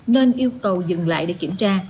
nên yêu cầu dừng lại để kiểm tra